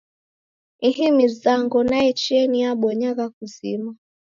Ihi mizango naecheni yabonywagha kuzima.